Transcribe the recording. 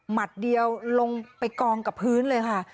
เดียวลงไปกองกับพื้นเลยค่ะ